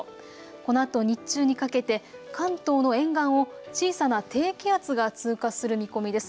このあと日中にかけて関東の沿岸を小さな低気圧が通過する見込みです。